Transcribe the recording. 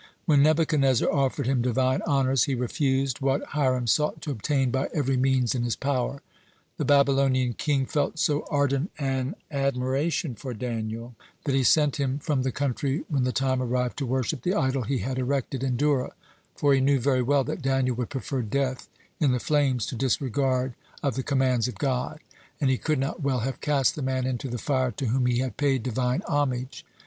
When Nebuchadnezzar offered him Divine honors, (109) he refused what Hiram sought to obtain by every means in his power. The Babylonian king felt so ardent an admiration for Daniel that he sent him from the country when the time arrived to worship the idol he had erected in Dura, for he knew very well that Daniel would prefer death in the flames to disregard of the commands of God, and he could not well have cast the man into the fire to whom he had paid Divine homage.